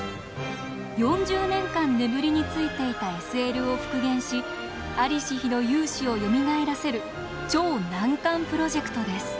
４０年間眠りについていたＳＬを復元し在りし日の雄姿をよみがえらせる超難関プロジェクトです。